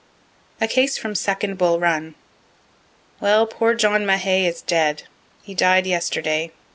A CASE FROM SECOND BULL RUN Well, Poor John Mahay is dead. He died yesterday.